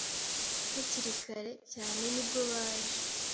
hakiri kare cyane nibwo baje